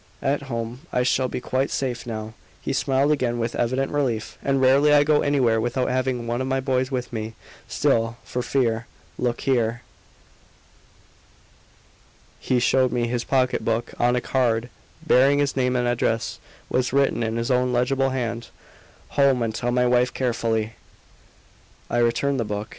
At home I shall be quite safe now." He smiled again, with evident relief. "And rarely I go anywhere without having one of my boys with me. Still, for fear look here." He showed me his pocket book; on a card bearing his name and address was written in his own legible hand, "HOME, AND TELL MY WIFE CAREFULLY." I returned the book.